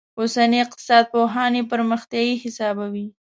اوسني اقتصاد پوهان یې پرمختیايي حسابوي.